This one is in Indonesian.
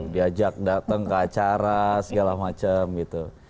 diajak datang ke acara segala macam gitu